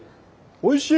おいしい。